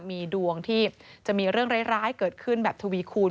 มีดวงที่จะมีเรื่องร้ายเกิดขึ้นแบบทวีคูณ